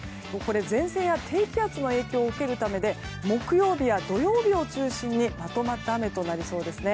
前線や低気圧の影響を受けるためで木曜日や土曜日を中心にまとまった雨となりそうですね。